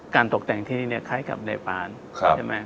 ตกแต่งที่นี่เนี่ยคล้ายกับเนปานใช่ไหม